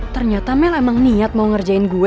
ternyata mel emang niat mau ngerjain gue